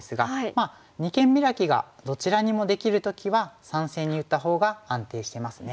まあ二間ビラキがどちらにもできる時は３線に打ったほうが安定してますね。